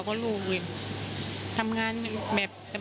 ไม่ตั้งใจครับ